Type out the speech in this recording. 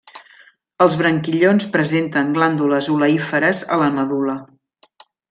Els branquillons presenten glàndules oleíferes a la medul·la.